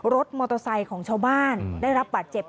รถมอเตอร์ไซค์ของชาวบ้านได้รับบาดเจ็บ